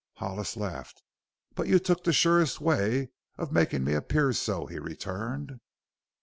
Hollis laughed. "But you took the surest way of making me appear so," he returned.